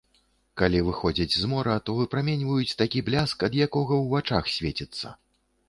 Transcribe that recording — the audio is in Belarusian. Калі выходзяць з мора, то выпраменьваюць такі бляск, ад якога ў вачах свеціцца.